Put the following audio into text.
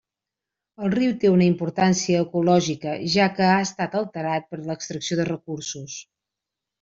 El riu té una importància ecològica, ja que ha estat alterat per l'extracció de recursos.